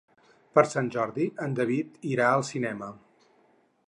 Per Sant Jordi en David irà al cinema.